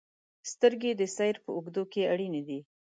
• سترګې د سیر په اوږدو کې اړینې دي.